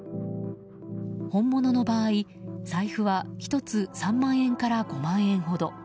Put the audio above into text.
本物の場合財布は１つ３万円から５万円ほど。